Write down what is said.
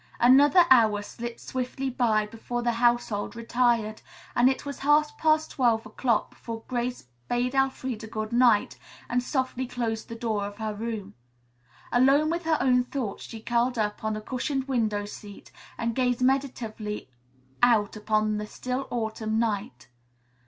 Another hour slipped swiftly by before the household retired, and it was half past twelve o'clock before Grace bade Elfreda good night and softly closed the door of her room. Alone with her own thoughts, she curled up on a cushioned window seat and gazed meditatively out upon the still autumn night.